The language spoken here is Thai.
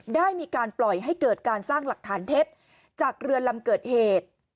ได้มีการปล่อยให้เกิดการสร้างหลักฐานเท็จจากเรือลำเกิดเหตุ